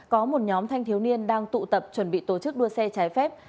có một nhóm thanh thiếu niên đang tụ tập chuẩn bị tổ chức đua xe trái phép